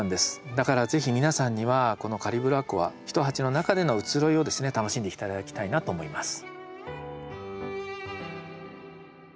だから是非皆さんにはこのカリブラコア１鉢の中での移ろいをですね楽しんで頂きたいなと思います。